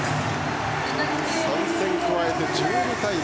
３点加えて１２対６。